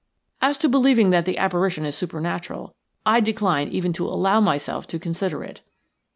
As to believing that the apparition is supernatural, I decline even to allow myself to consider it."